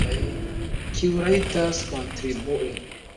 Kiu rajtas kontribui?